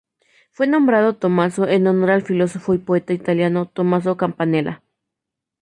Fue nombrado Tommaso en honor al filósofo y poeta italiano Tommaso Campanella.